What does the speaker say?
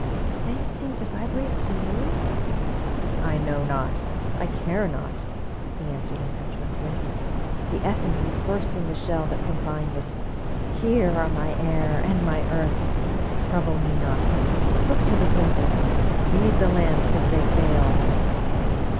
Do they seem to vibrate to you ?"" I know not, I care not," he answered impetuously. " The essence is bursting the shell that confined it. Here are my air and my earth! Trouble me not. Look to the circle — feed the lamps if they fail!